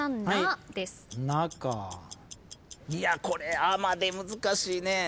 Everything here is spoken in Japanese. これ「あ」まで難しいね。